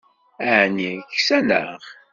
Aεni ksaneɣ?